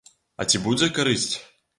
А ці будзе карысць?